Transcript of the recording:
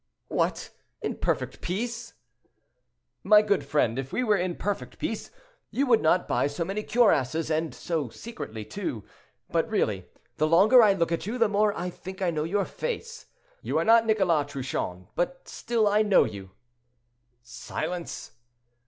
"What! in perfect peace?" "My good friend, if we were in perfect peace, you would not buy so many cuirasses, and so secretly, too. But really, the longer I look at you, the more I think I know your face. You are not Nicholas Trouchon, but still I know you." "Silence!"